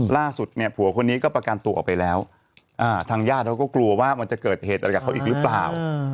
ล่าสุดเนี่ยผัวคนนี้ก็ประกันตัวออกไปแล้วทางญาติเขาก็กลัวว่ามันจะเกิดเหตุอะไรกับเขาอีกหรือเปล่า